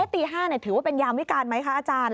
ตี๕ถือว่าเป็นยามวิการไหมคะอาจารย์